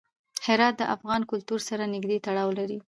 هرات د افغان کلتور سره نږدې تړاو لري.